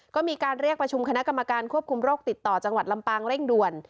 ก็มีการเรียกประชุมคณะกรรมการควบคุมโรคติดต่อจังหวัดลำปางเร่งด่วน